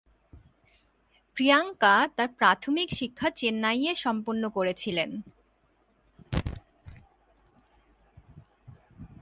প্রিয়াঙ্কা তার প্রাথমিক শিক্ষা চেন্নাইয়ে সম্পন্ন করেছিলেন।